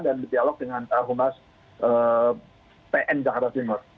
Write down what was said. dan berdialog dengan humat pn jakarta timur